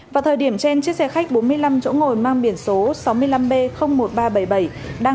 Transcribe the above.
vào thời điểm trên chiếc xe khách bốn mươi năm chỗ ngồi mang biển số sáu mươi năm b một nghìn ba trăm bảy mươi bảy đang